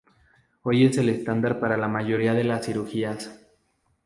Hoy es el estándar para la mayoría de las cirugías.